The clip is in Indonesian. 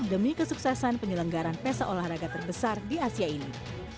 demi kesuksesan penyelenggaran pesa olahraga terbesar di asia ini